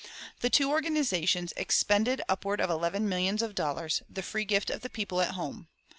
The two organizations expended upward of eleven millions of dollars, the free gift of the people at home.